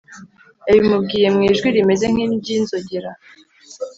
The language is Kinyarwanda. yabimubwiye mu ijwi rimeze nk’iry’inzogera